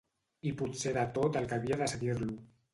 I potser de tot el que havia de seguir-lo